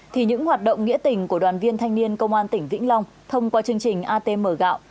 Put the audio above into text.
thì những hoạt động nghĩa tình của đoàn viên thanh niên công an tỉnh vĩnh long thông qua chương trình atm gạo